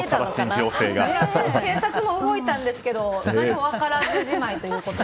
警察も動いたんですけど何も分からずじまいということで。